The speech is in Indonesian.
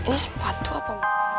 ini sepatu apa